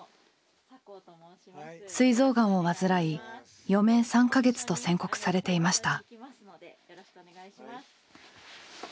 すい臓がんを患い「余命３か月」と宣告されていました。